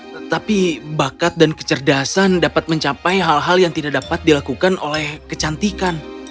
tetapi bakat dan kecerdasan dapat mencapai hal hal yang tidak dapat dilakukan oleh kecantikan